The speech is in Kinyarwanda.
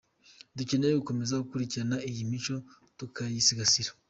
Dukeneye gukomeza gukurikirana iyi mico tukayisigasira.